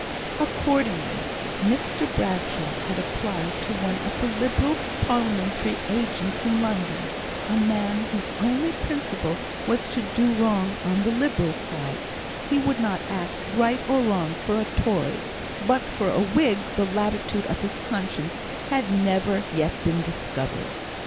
Accordingly, Mr Bradshaw had applied to one of the Liberal parliamentary agents in London a man whose only principle was to do wrong on the Liberal side; he would not act, right or wrong, for a Tory, but for a Whig the latitude of his conscience had never yet been discovered.